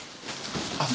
あっ。